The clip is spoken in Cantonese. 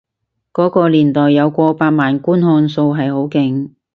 嗰個年代有過百萬觀看數係好勁